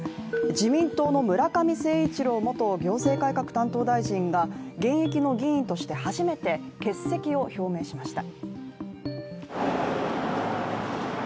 自民党の村上誠一郎元行政改革担当大臣が現役の議員として初めて欠席を表明しました。